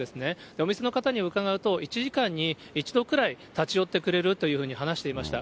お店の方に伺うと、１時間に１度くらい立ち寄ってくれるというふうに話していました。